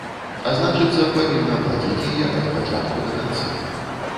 А значыцца, павінна аплаціць яе ад пачатку да канца.